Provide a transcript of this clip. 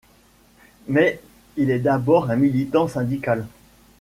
Mais il est d'abord un militant syndical.